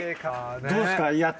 ・どうですか？